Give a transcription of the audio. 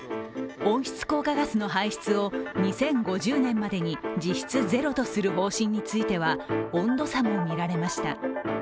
温室効果ガスの排出を２０５０年までに実質ゼロとする方針については温度差もみられました。